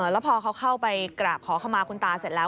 แล้วพอเขาเข้าไปกราบขอเข้ามาคุณตาเสร็จแล้ว